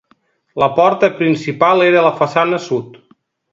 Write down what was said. La porta principal era a la façana sud.